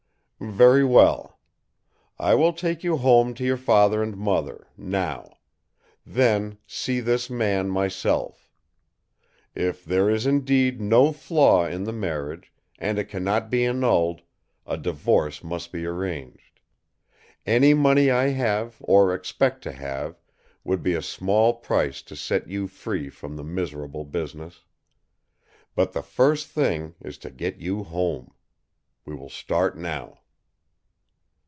"Very well. I will take you home to your father and mother, now; then see this man, myself. If there is indeed no flaw in the marriage and it cannot be annulled, a divorce must be arranged. Any money I have or expect to have would be a small price to set you free from the miserable business. But the first thing is to get you home. We will start now."